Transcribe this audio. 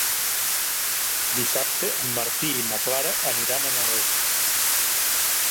Dissabte en Martí i na Clara aniran a Nalec.